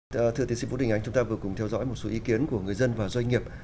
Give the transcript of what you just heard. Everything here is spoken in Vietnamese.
thưa tiến sĩ vũ đình ánh chúng ta vừa cùng theo dõi một số ý kiến của người dân và doanh nghiệp